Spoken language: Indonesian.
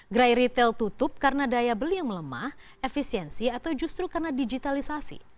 gerai retail tutup karena daya beli yang melemah efisiensi atau justru karena digitalisasi